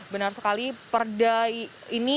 benar sekali perda ini